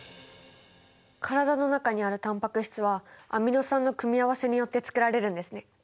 体の中にあるタンパク質はアミノ酸の組み合わせによってつくられるんですね。